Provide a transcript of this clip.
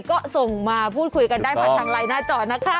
ก็ส่งมาพูดคุยกันได้ผ่านทางไลน์หน้าจอนะคะ